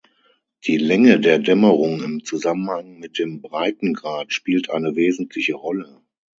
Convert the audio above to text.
Die Länge der Dämmerung im Zusammenhang mit dem Breitengrad spielt eine wesentliche Rolle.